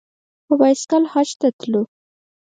په بایسکل حج ته تللو.